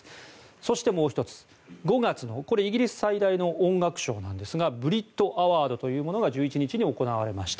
そして、もう１つ、５月これイギリス最大の音楽ショーなんですがブリット・アワードというものが１１日に行われました。